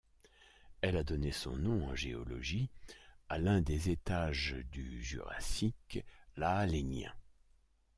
Elle a donné son nom en géologie à l'un des étages du Jurassique, l'Aalénien.